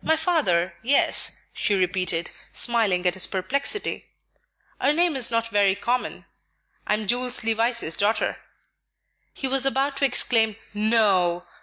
"My father, yes," she repeated, smiling at his perplexity. "Our name is not very common; I am Jules Levice's daughter." He was about to exclaim "NO!"